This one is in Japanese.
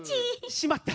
しまった！